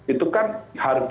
itu kan harga